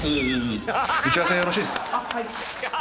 打ち合わせよろしいですか？